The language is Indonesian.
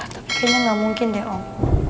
tapi kayaknya nggak mungkin deh om